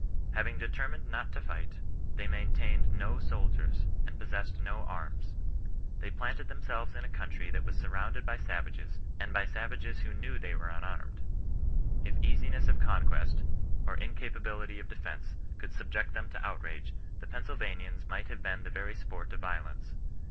Having determined not to fight, they maintained no soldiers and possessed no arms. They planted themselves in a country that was surroimded by savages, and by savages who knew they were un armed. If easiness of conquest, or incapability of de fence, could subject them to outrage, the Pennsylvanians might have been the very sport of violence.